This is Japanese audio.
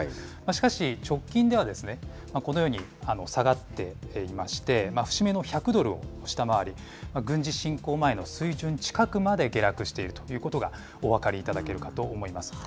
しかし、直近では、このように下がっていまして、節目の１００ドルを下回り、軍事侵攻前の水準近くまで下落しているということがお分かりいただけるかと思います。